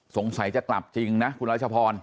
สงสัยจะกลับจริงนะคุณรัชพร